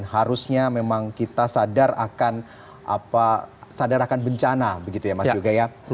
harusnya memang kita sadar akan sadar akan bencana begitu ya mas yoga ya